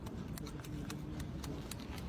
দেখো তো, মেয়েদের নিয়ে আমি কী করি!